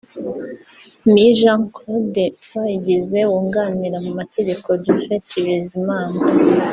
Me Jean Claude Twayigize wunganira mu mategeko Japhet Bizimana